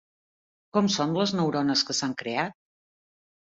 Com són les neurones que s'han creat?